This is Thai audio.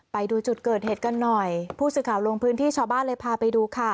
ไปดูจุดเกิดเหตุกันหน่อยผู้สื่อข่าวลงพื้นที่ชาวบ้านเลยพาไปดูค่ะ